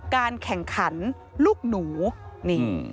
การแข่งขันลูกหนูนี่